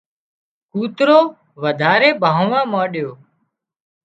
ڪوترو وڌاري ڀانهوا مانڏيو